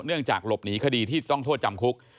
จากหลบหนีคดีที่ต้องโทษจำคุก